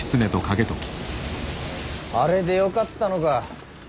あれでよかったのか。